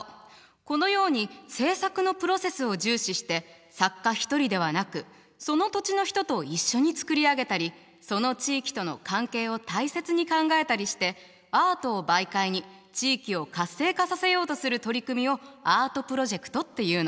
このように制作のプロセスを重視して作家一人ではなくその土地の人と一緒に作り上げたりその地域との関係を大切に考えたりしてアートを媒介に地域を活性化させようとする取り組みをアートプロジェクトっていうの。